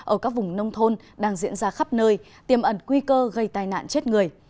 ở các vùng nông thôn đang diễn ra khắp nơi tiêm ẩn quy cơ gây tai nạn chết người